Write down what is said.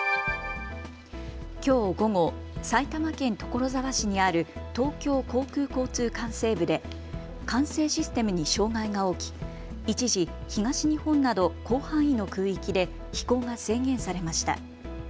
きょう午後、埼玉県所沢市にある東京航空交通管制部で管制システムに障害が起き一時、東日本など広範囲の空域で飛行が制限されました。